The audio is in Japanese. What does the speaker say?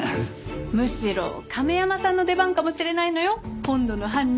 むしろ亀山さんの出番かもしれないのよ今度の犯人。